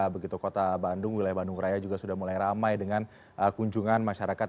begitu kota bandung wilayah bandung raya juga sudah mulai ramai dengan kunjungan masyarakat